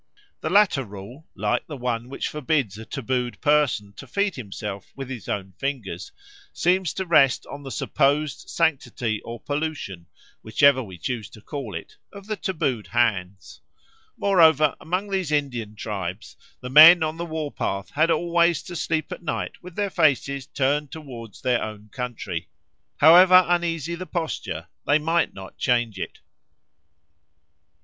The latter rule, like the one which forbids a tabooed person to feed himself with his own fingers, seems to rest on the supposed sanctity or pollution, whichever we choose to call it, of the tabooed hands. Moreover among these Indian tribes the men on the war path had always to sleep at night with their faces turned towards their own country; however uneasy the posture, they might not change it.